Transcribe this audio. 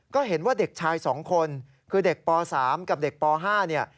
ก็เห็นว่าเด็กชาย๒คนคือเด็กป๓กับเด็กป๕เนี่ย